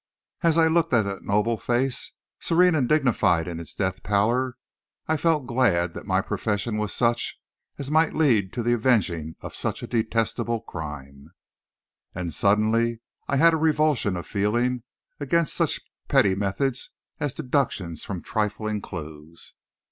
As I looked at that noble face, serene and dignified in its death pallor, I felt glad that my profession was such as might lead to the avenging of such a detestable crime. And suddenly I had a revulsion of feeling against such petty methods as deductions from trifling clues.